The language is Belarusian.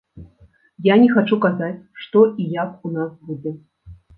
Я не хачу казаць, што і як у нас будзе.